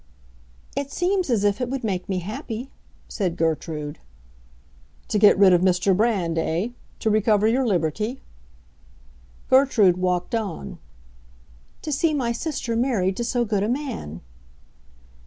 "It seems as if it would make me happy," said Gertrude. "To get rid of Mr. Brand, eh? To recover your liberty?" Gertrude walked on. "To see my sister married to so good a man."